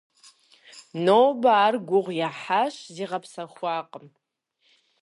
Нобэ ар гугъу ехьащ, зигъэпсэхуакъым.